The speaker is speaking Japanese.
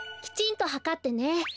きちんとはかってね。